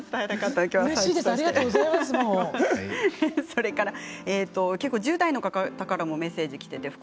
それから結構、１０代の方からもメッセージきています。